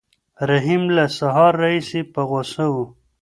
رحیم له سهار راهیسې په غوسه و.